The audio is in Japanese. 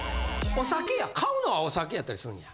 お酒や買うのはお酒やったりするんや。